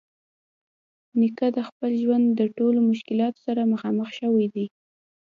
نیکه د خپل ژوند د ټولو مشکلاتو سره مخامخ شوی دی.